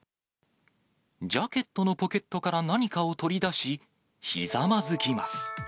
ジャケットのポケットから何かを取り出し、ひざまずきます。